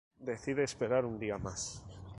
Decide esperar un día más.